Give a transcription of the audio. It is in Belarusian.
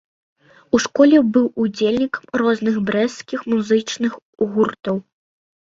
У школе быў удзельнікам розных брэсцкіх музычных гуртоў.